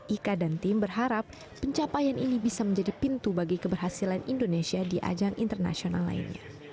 ika dan tim berharap pencapaian ini bisa menjadi pintu bagi keberhasilan indonesia di ajang internasional lainnya